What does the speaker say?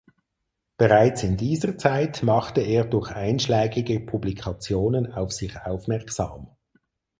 Bereits in dieser Zeit machte er durch einschlägige Publikationen auf sich aufmerksam.